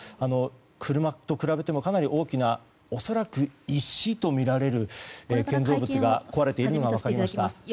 車と比べてもかなり大きな、恐らく石とみられる建造物が壊れているのが分かりました。